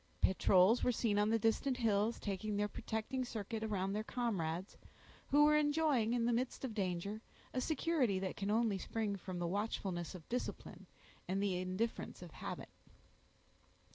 Patrols were seen on the distant hills, taking their protecting circuit around their comrades, who were enjoying, in the midst of danger, a security that can only spring from the watchfulness of discipline and the indifference of habit.